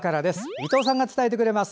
伊藤さんが伝えてくれます。